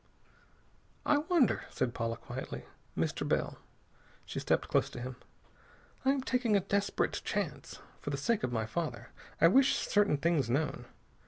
"I wonder," said Paula quietly. "Mr. Bell" she stepped close to him "I am taking a desperate chance. For the sake of my father, I wish certain things known.